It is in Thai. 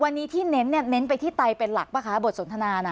วันนี้ที่เน้นเนี่ยเน้นไปที่ไตเป็นหลักป่ะคะบทสนทนาน่ะ